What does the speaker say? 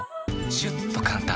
シュッと簡単！